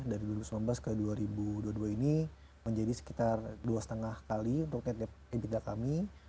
dari dua ribu sembilan belas ke dua ribu dua puluh dua ini menjadi sekitar dua lima kali untuk net debitda kami